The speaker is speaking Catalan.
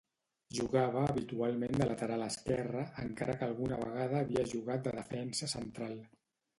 Jugava habitualment de lateral esquerre, encara que alguna vegada havia jugat de defensa central.